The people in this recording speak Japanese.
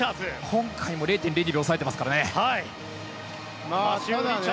今回も０．０２秒抑えていますからね。